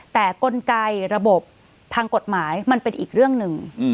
แต่กลไกระบบทางกฎหมายมันเป็นอีกเรื่องหนึ่ง